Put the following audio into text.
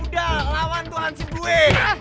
udah lawan tuhan si gue